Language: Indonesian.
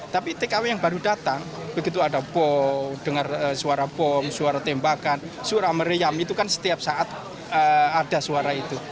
tapi tkw yang baru datang begitu ada bom dengar suara bom suara tembakan suara meriam itu kan setiap saat ada suara itu